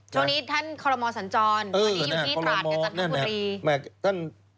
ช่วงนี้ท่านคลมมสัญจรวันนี้อยู่ที่อิตราชกับจันทร์ภูตรี